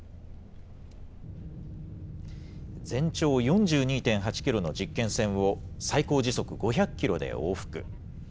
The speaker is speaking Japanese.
全長４２．８キロの実験線を、最高時速５００キロで往復。